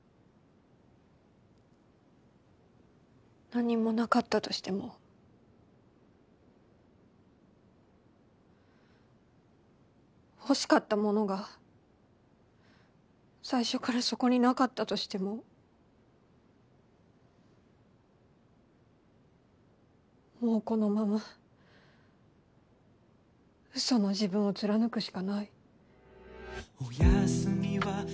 何もなかったとしても欲しかったものが最初からそこになかったとしてももうこのまま嘘の自分を貫くしかない。